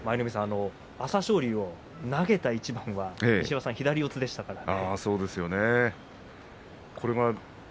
朝青龍を投げた一番は西岩さん、左四つでしたからね。